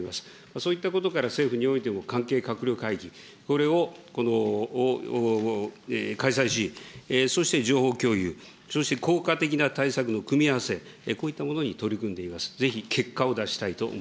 そういったことから、政府においても関係閣僚会議、これを開催し、そして情報共有、そして効果的な対策の組み合わせ、こういったものに取り組んでいます。